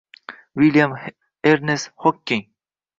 Vil`yam Ernest Hokking